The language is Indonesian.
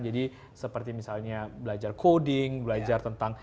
jadi seperti misalnya belajar coding belajar tentang